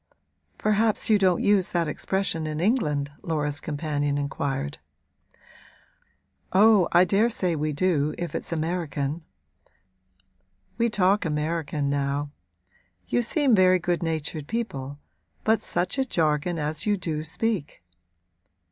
'Perhaps you don't use that expression in England?' Laura's companion inquired. 'Oh, I daresay we do, if it's American; we talk American now. You seem very good natured people, but such a jargon as you do speak!'